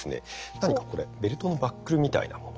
何かこれベルトのバックルみたいなもの。